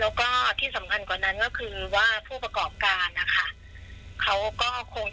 แบบอกให้หลายฝัอยที่เกี่ยวข้องเนี่ยอันมาสนใจมากยิ่งขึ้นอ่ะค่ะ